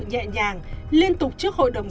nhẹ nhàng liên tục trước hội đồng